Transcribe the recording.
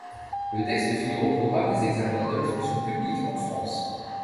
Le texte figure au programme des examens de la fonction publique en France.